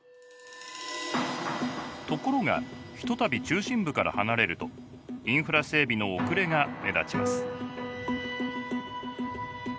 ところがひとたび中心部から離れるとインフラ整備の遅れが目立ちます。